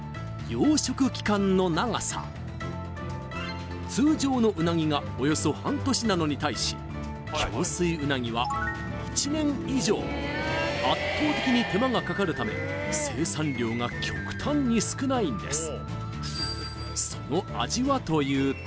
養殖期間の長さ通常のうなぎがおよそ半年なのに対し共水うなぎは１年以上圧倒的に手間がかかるため生産量が極端に少ないんです